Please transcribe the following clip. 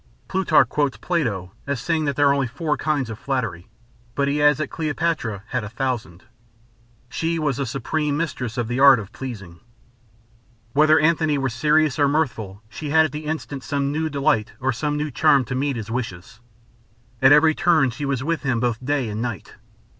Plutarch quotes Plato as saying that there are four kinds of flattery, but he adds that Cleopatra had a thousand. She was the supreme mistress of the art of pleasing. Whether Antony were serious or mirthful, she had at the instant some new delight or some new charm to meet his wishes. At every turn she was with him both day and night.